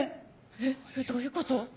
えっどういうこと？